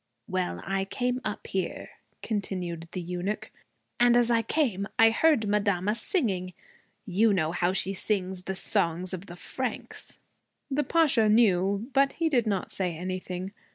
'Well, I came up here,' continued the eunuch, 'and as I came I heard madama singing. You know how she sings the songs of the Franks.' The Pasha knew. But he did not say anything.